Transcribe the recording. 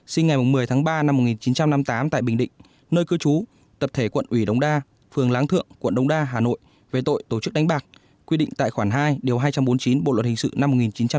sinh ngày một mươi tháng ba năm một nghìn chín trăm năm mươi tám tại bình định nơi cư trú tập thể quận ủy đống đa phường láng thượng quận đông đa hà nội về tội tổ chức đánh bạc quy định tại khoản hai điều hai trăm bốn mươi chín bộ luật hình sự năm một nghìn chín trăm bảy mươi năm